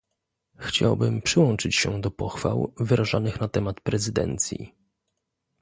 Chciałbym przyłączyć się do pochwał wyrażanych na temat prezydencji